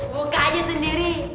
buka aja sendiri